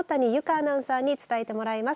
アナウンサーに伝えてもらいます。